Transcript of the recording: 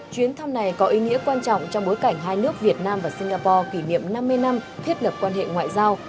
chuyến thăm này có ý nghĩa quan trọng trong bối cảnh hai nước việt nam và singapore kỷ niệm năm mươi năm thiết lập quan hệ ngoại giao